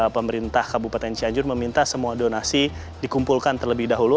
pemerintah kabupaten cianjur meminta semua donasi dikumpulkan terlebih dahulu